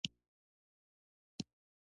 دا بکټریاوې غیر هوازی یا انئیروبیک یادیږي.